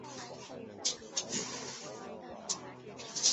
周年视差是第一个最可靠的测量最接近恒星的方法。